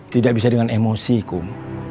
tidak bisa dengan emosi kum